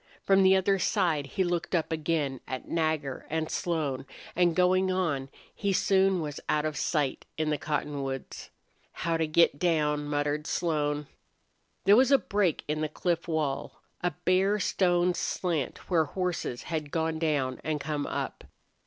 From the other side he looked up again at Nagger and Slone, and, going on, he soon was out of sight in the cottonwoods. "How to get down!" muttered Slone. There was a break in the cliff wall, a bare stone slant where horses had gone down and come up.